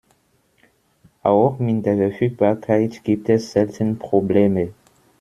Auch mit der Verfügbarkeit gibt es selten Probleme.